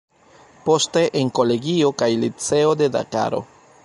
Poste en kolegio kaj liceo de Dakaro.